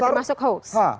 udah termasuk hoax